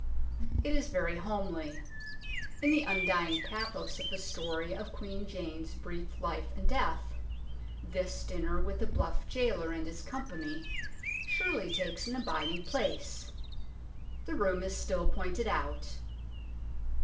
It is very homely. In the undying pathos of the story of Queen Jane's brief life and death, this dinner with the bluff gaoler and his company surely takes an abiding place. The room is still pointed out.